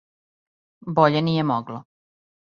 Боље није могло.